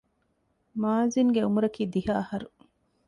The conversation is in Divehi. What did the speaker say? މާޒިންގެ އުމުރަކީ ދިހަ އަހަރު